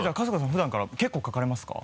普段から結構書かれますか？